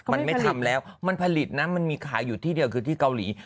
มันไม่ทำแล้วมันผลิตนะมันมีขายอยู่ที่เดียวคือที่เกาหลี